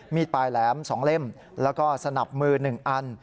มีดปลายแหลม๒เล่มแล้วก็สนับมือ๑อัน